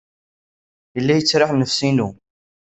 Yella yettraḥ nnefs-inu.